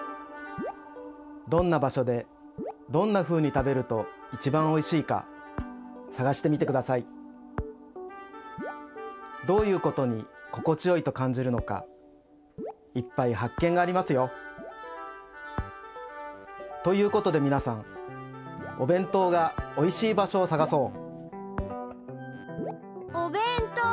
どんな場所でどんなふうに食べるといちばんおいしいかさがしてみてください！どういうことに心地よいとかんじるのかいっぱい発見がありますよ。ということでみなさんおべんとうがおいしい場所をさがそう！